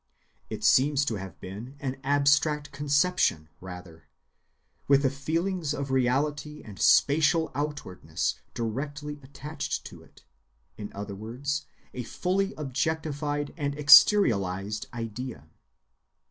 It seems to have been an abstract conception rather, with the feelings of reality and spatial outwardness directly attached to it—in other words, a fully objectified and exteriorized idea.